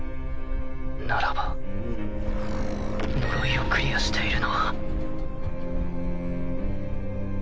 ならば呪いをクリアしているのは。